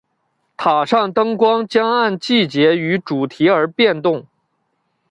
塔上灯光将按季节与主题而变动。